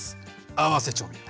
合わせ調味料。